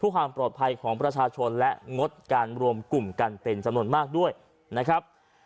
ความปลอดภัยของประชาชนและงดการรวมกลุ่มกันเป็นจำนวนมากด้วยนะครับ